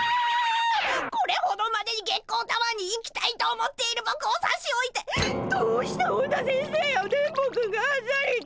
これほどまでに月光タワーに行きたいと思っているぼくをさしおいてどうして本田先生や電ボくんがあっさりと。